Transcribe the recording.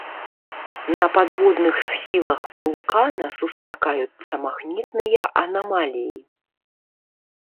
На падводных схілах вулкана сустракаюцца магнітныя анамаліі.